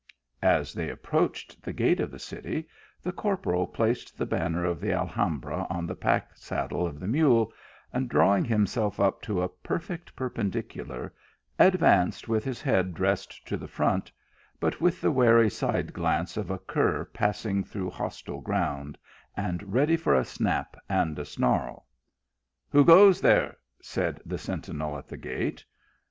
As they approached the gate of the city, the corporal placed the banner of the Alhambra on the pack saddle of the mule, and, drawing him self up to a perfect perpendicular, advanced with his head dressed to the front, but with the wary side glance of a cur passing through hostile grounds, and ready for a snap and a snarl. "Who goes there?" said the sentinel at the gate.